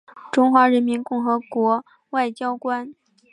中华人民共和国外交官。